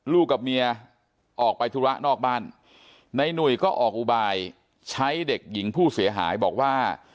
กับเมียออกไปธุระนอกบ้านในหนุ่ยก็ออกอุบายใช้เด็กหญิงผู้เสียหายบอกว่า